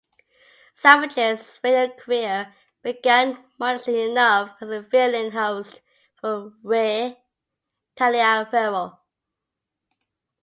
Savage's radio career began modestly enough as a fill-in host for Ray Taliaferro.